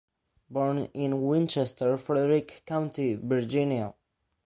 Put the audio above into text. Born in Wincester Frederick County, Virginia.